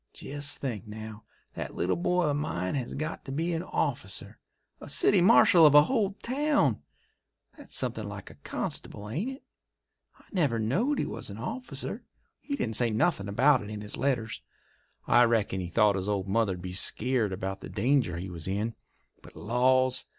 Jest think, now, that little boy of mine has got to be a officer—a city marshal of a whole town! That's somethin' like a constable, ain't it? I never knowed he was a officer; he didn't say nothin' about it in his letters. I reckon he thought his old mother'd be skeered about the danger he was in. But, laws!